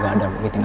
tidak ada meeting